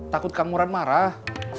takut kang murad marah